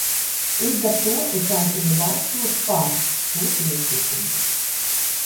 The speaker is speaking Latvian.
"Līdz ar to es aicinu balsot "par" šo priekšlikumu."